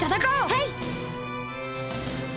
はい！